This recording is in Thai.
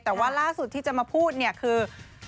แต่ว่าล่าสุดที่จะมาพูดเนี่ยคือ